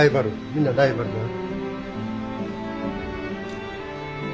みんなライバルだよ。